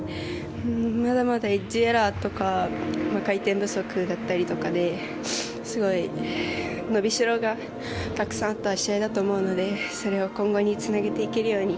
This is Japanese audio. まだまだエッジエラーとか回転不足とかがあったりとかでのびしろがたくさんあった試合だと思うのでそれを今後につなげていけるように。